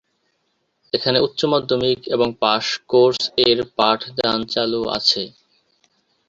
এখানে উচ্চ মাধ্যমিক এবং পাশ কোর্স এর পাঠদান চালু আছে।